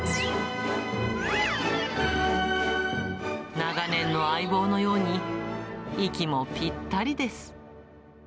長年の相棒のように、息もぴったりです。